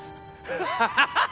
ハハハハッ！